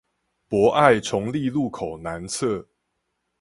博愛重立路口南側